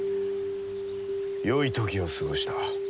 よい時を過ごした。